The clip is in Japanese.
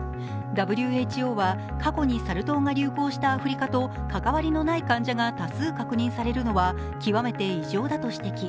ＷＨＯは過去にサル痘が流行したアフリカと関わりのない患者が多数確認されるのは極めて異常だと指摘。